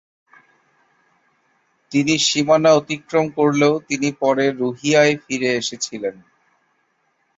তিনি সীমানা অতিক্রম করলেও তিনি পরে রুহিয়ায় ফিরে এসেছিলেন।